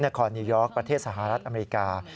คอนิวยอร์กประเทศสหรัฐอเมริกา